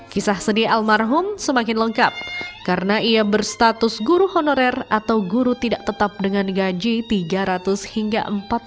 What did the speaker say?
kisah seni almarhum semakin lengkap karena ia berstatus guru honorer atau guru tidak tetap dengan gaji tiga ratus hingga empat ratus